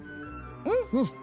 うん！